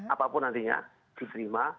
apapun nantinya diterima